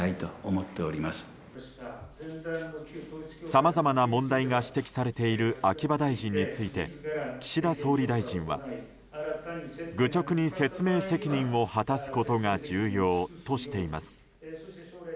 さまざまな問題が指摘されている秋葉大臣について岸田総理大臣は愚直に説明責任を果たすことが重要としています。